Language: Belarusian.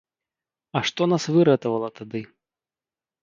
А што нас выратавала тады?